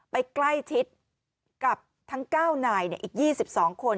ไปใกล้ชิดกับทั้ง๙นายอีก๒๒คน